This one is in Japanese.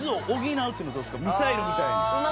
ミサイルみたいに。